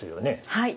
はい。